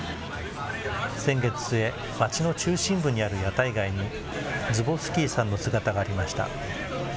先月末、街の中心部にある屋台街に、ズボフスキーさんの姿がありました。